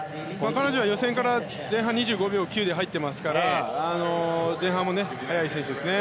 彼女は予選から前半２５秒９で入っていますから前半も速い選手ですね。